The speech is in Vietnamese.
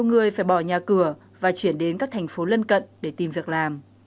người phải bỏ nhà cửa và chuyển đến các thành phố lân cận để tìm việc làm